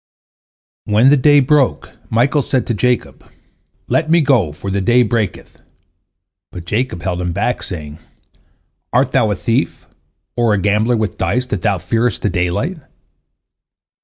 When the day broke, Michael said to Jacob, "Let me go, for the day breaketh," but Jacob held him back, saying, "Art thou a thief, or a gambler with dice, that thou fearest the daylight?"